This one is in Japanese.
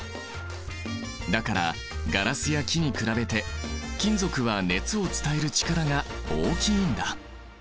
だからガラスや木に比べて金属は熱を伝える力が大きいんだ。